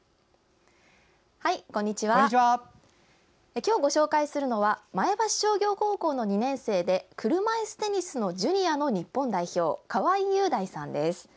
今日ご紹介するのは前橋商業高校の２年生で車いすテニスのジュニアの日本代表・川合雄大さんです。